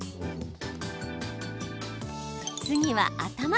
次は、頭。